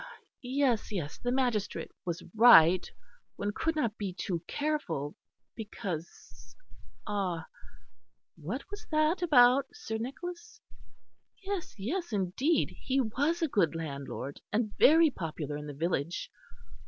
Yes, yes, the magistrate was right; one could not be too careful. Because ah! What was that about Sir Nicholas? Yes, yes, indeed he was a good landlord, and very popular in the village.